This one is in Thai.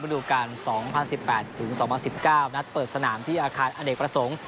ดูการ๒๐๑๘ถึง๒๐๑๙นัดเปิดสนามที่อาคารอเนกประสงค์